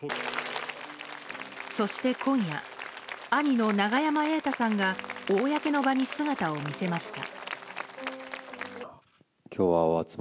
そして今夜兄の永山瑛太さんが公の場に姿を現しました。